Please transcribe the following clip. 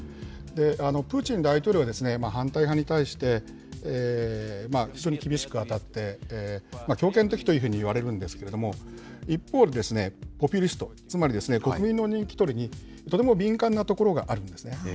プーチン大統領は反対派に対して、非常に厳しく当たって、強権的というふうにいわれるんですけれども、一方でポピュリスト、つまり国民の人気取りに、とても敏感なところがあるんですね。